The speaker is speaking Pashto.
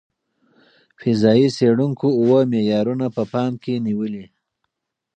فضايي څېړونکو اوه معیارونه په پام کې نیولي.